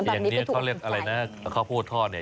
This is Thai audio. อย่างนี้เขาเรียกอะไรนะข้าวโพดทอดเนี่ย